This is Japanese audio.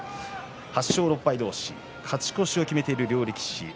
８勝６敗同士、勝ち越しを決めている両力士です。